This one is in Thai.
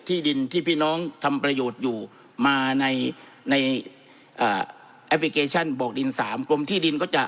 ที่ดินที่พี่น้องทำประโยชน์อยู่มาในในแอปพลิเคชันบอกดินสามกรมที่ดินก็จะ